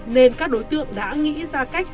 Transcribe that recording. nên các đối tượng đã nghĩ ra cách